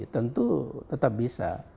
tentu tetap bisa